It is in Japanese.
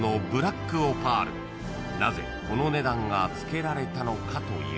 ［なぜこの値段が付けられたのかというと］